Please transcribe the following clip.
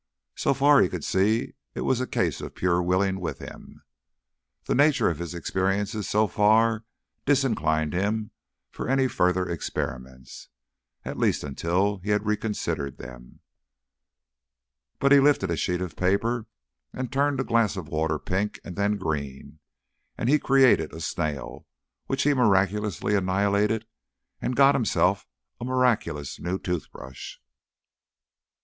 So far, he could see it was a case of pure willing with him. The nature of his experiences so far disinclined him for any further experiments, at least until he had reconsidered them. But he lifted a sheet of paper, and turned a glass of water pink and then green, and he created a snail, which he miraculously annihilated, and got himself a miraculous new tooth brush.